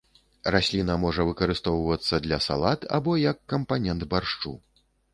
Расліна можа выкарыстоўвацца для салат або як кампанент баршчу.